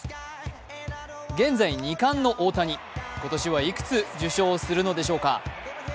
現在２冠の大谷、今年はいくつ受賞するのでしょうか。